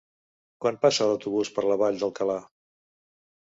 Quan passa l'autobús per la Vall d'Alcalà?